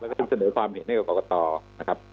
แล้วก็จึงเสนอความเห็นให้กับกรกตนะครับ